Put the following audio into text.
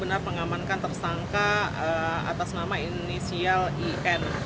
benar mengamankan tersangka atas nama inisial in